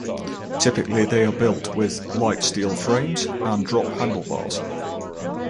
Typically they are built with light steel frames and drop handlebars.